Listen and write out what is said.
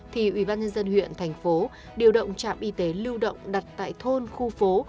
thì ubnd huyện thành phố điều động trạm y tế lưu động đặt tại thôn khu phố